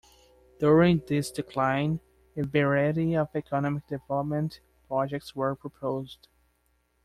During this decline, a variety of economic development projects were proposed.